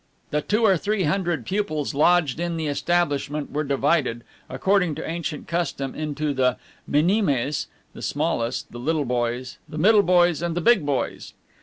The two or three hundred pupils lodged in the establishment were divided, according to ancient custom, into the minimes (the smallest), the little boys, the middle boys, and the big boys.